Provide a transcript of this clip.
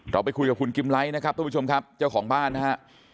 ไปคุยกับคุณกิมไลท์นะครับทุกผู้ชมครับเจ้าของบ้านนะฮะ